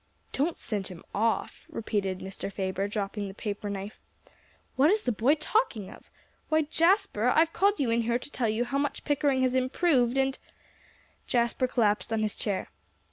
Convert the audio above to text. "Don't send him off?" repeated Mr. Faber, dropping the paper knife, "what is the boy talking of! Why, Jasper I've called you in here to tell you how much Pickering has improved and " Jasper collapsed on his chair.